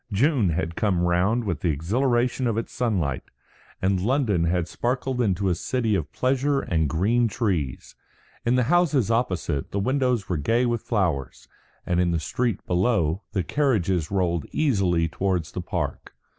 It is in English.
June had come round again with the exhilaration of its sunlight, and London had sparkled into a city of pleasure and green trees. In the houses opposite, the windows were gay with flowers; and in the street below, the carriages rolled easily towards the Park.